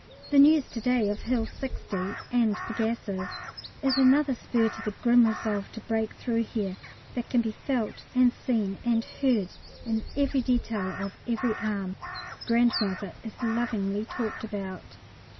The news to day of Hill 60 and the gases is another spur to the grim resolve to break through here, that can be felt and seen and heard in every detail of every arm. "Grandmother" is lovingly talked about.